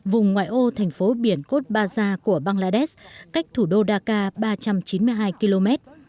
vùng ngoại ô thành phố biển cot baza của bangladesh cách thủ đô dhaka ba trăm chín mươi hai km